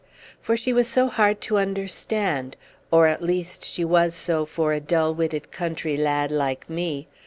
For she was so hard to understand, or, at least, she was so for a dull witted country lad like me.